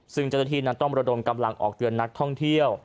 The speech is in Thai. ซึ่งเจ้าหน้าที่นั้นต้องระดมกำลังออกเตือนนักท่องเที่ยว